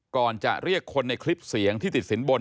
ก่อนจะเรียกคนในคลิปเสียงที่ติดสินบน